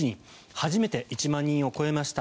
初めて１万人を超えました。